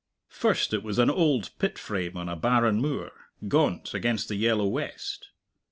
First it was an old pit frame on a barren moor, gaunt, against the yellow west.